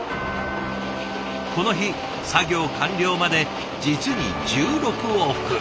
この日作業完了まで実に１６往復。